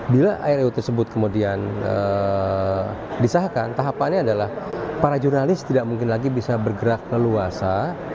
bila iro tersebut kemudian disahkan tahapannya adalah para jurnalis tidak mungkin lagi bisa bergerak leluasa